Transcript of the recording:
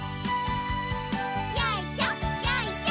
よいしょよいしょ。